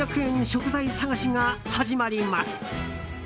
食材探しが始まります。